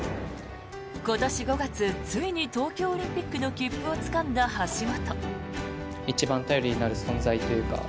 今年５月、ついに東京オリンピックの切符をつかんだ橋本。